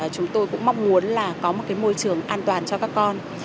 chúng tôi cũng mong muốn là có một cái môi trường an toàn cho các con